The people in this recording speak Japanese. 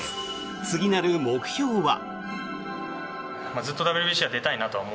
次なる目標は？